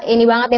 ini banget ya